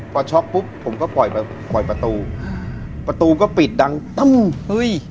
พอช็อกปุ๊บผมก็ปล่อยไปปล่อยประตูประตูก็ปิดดังตั้มเฮ้ย